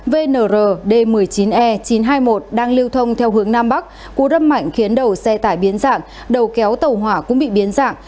vnr d một mươi chín e chín trăm hai mươi một đang lưu thông theo hướng nam bắc cú râm mảnh khiến đầu xe tải biến dạng đầu kéo tàu hỏa cũng bị biến dạng